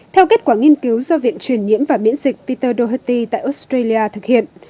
theo kết quả nghiên cứu do viện truyền nhiễm và miễn dịch peter dohuti tại australia thực hiện